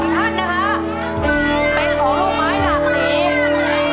ท่านนะฮะเป็นของลูกไม้หลากสี